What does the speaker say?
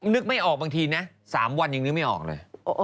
นึกไม่ออกบางทีนะ๓วันยังนึกไม่ออกเลย